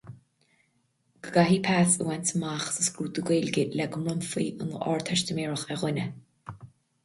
Go gcaithfí pas a bhaint amach sa scrúdú Gaeilge le go mbronnfaí an Ardteistiméireacht ar dhuine.